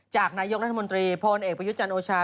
จากนายกรัฐมนตรีโพนเอกประยุจันโอชาล